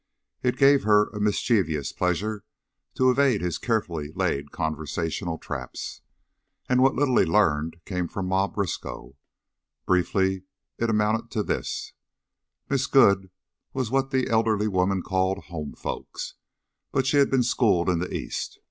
It gave her a mischievous pleasure to evade his carefully laid conversational traps, and what little he learned came from Ma Briskow. Briefly, it amounted to this: Miss Good was what the elder woman called "home folks," but she had been schooled in the East.